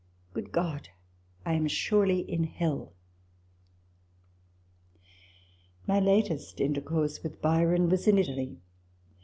" Good God, I am surely in hell !" My latest intercourse with Byron was in Italy.